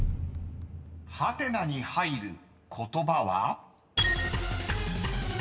［ハテナに入る言葉は？］